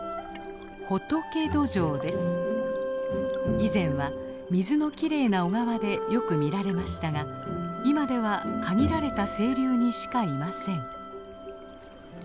以前は水のきれいな小川でよく見られましたが今では限られた清流にしかいません。